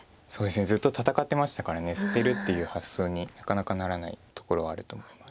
ずっと戦ってましたから捨てるっていう発想になかなかならないところはあると思います。